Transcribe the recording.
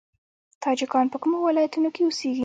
تاجکان په کومو ولایتونو کې اوسیږي؟